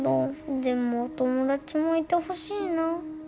でもお友達もいてほしいな。